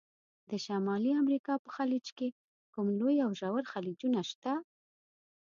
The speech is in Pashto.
د شمالي امریکا په خلیج کې کوم لوی او ژور خلیجونه شته؟